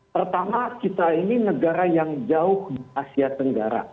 pertama kita ini negara yang jauh di asia tenggara